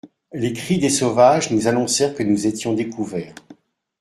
Les cris des sauvages nous annoncèrent que nous étions découverts.